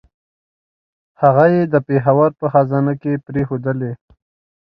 هغه یې د پېښور په خزانه کې پرېښودلې.